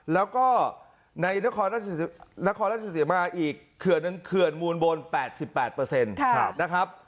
แล้วก็ในนครราชศิษยามากอีกเขื่อนมูลบน๘๘เปอร์เซ็นต์นะครับ